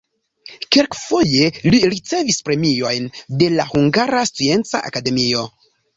Kelkfoje li ricevis premiojn de la Hungara Scienca Akademio.